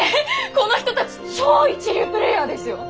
この人たち超一流プレーヤーですよ！？